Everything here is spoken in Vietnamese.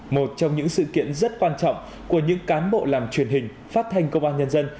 một trong những sự kiện rất quan trọng của những cán bộ làm truyền hình phát thanh công an nhân dân